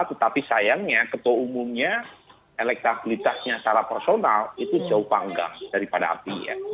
tetapi sayangnya ketua umumnya elektabilitasnya secara personal itu jauh panggang daripada api ya